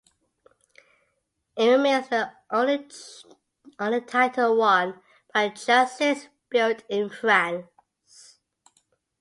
It remains the only title won by a chassis built in France.